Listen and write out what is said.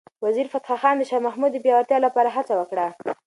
وزیرفتح خان د شاه محمود د پیاوړتیا لپاره هڅه وکړه.